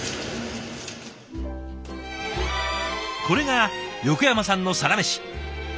これが横山さんのサラメシ。